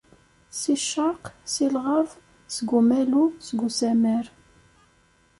Si ccerq, si lɣerb, seg umalu, seg usammar.